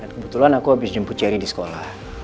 kebetulan aku habis jemput ceri di sekolah